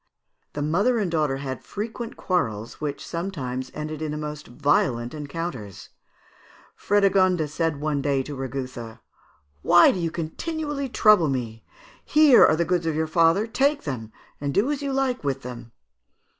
"The mother and daughter had frequent quarrels, which sometimes ended in the most violent encounters. Frédégonde said one day to Rigouthe, 'Why do you continually trouble me? Here are the goods of your father, take them and do as you like with them.'